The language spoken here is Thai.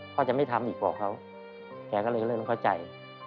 จะไม่ทำอีกบอกเขาแกก็เลยเริ่มเข้าใจ